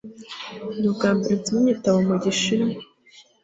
ni ubwambere nsomye igitabo mu gishinwa